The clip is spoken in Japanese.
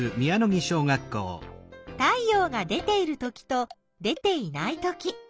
太陽が出ているときと出ていないとき。